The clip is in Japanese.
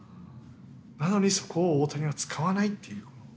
なのにそこを大谷は使わないっていう。